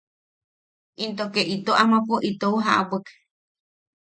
Into ke ito amapo itou ja’abwek.